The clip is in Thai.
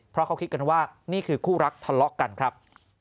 เพราะเขาคิดกันว่านี่คือคู่รักทะเลาะกันครับ